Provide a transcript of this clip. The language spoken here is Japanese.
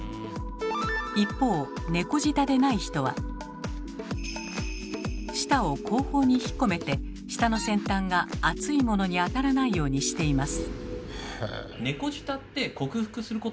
一方猫舌でない人は舌を後方に引っ込めて舌の先端が熱いものに当たらないようにしています。